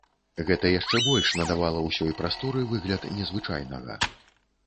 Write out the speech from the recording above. Гэта яшчэ больш надавала ўсёй прасторы выгляд незвычайнага.